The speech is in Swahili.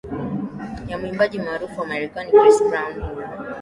ya mwimbaji maarufu wa kimarekani chris brown huyu